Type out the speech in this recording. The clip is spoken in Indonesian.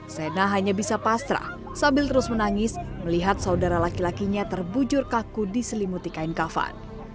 sena hanya bisa pasrah sambil terus menangis melihat saudara laki lakinya terbujur kaku diselimuti kain kafan